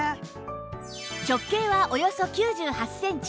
直径はおよそ９８センチ